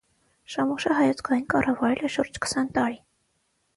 Շամուշը հայոց գահին կառավարել է շուրջ քսան տարի։